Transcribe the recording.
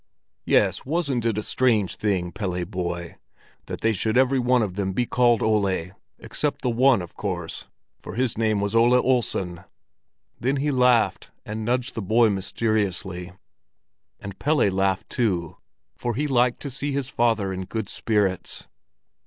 "Yes, wasn't it a strange thing, Pelle, boy, that they should every one of them be called Ole—except the one, of course; for his name was Ole Olsen." Then he laughed, and nudged the boy mysteriously; and Pelle laughed too, for he liked to see his father in good spirits.